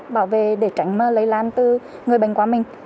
bảo vệ để tránh lây lan từ người bệnh qua mình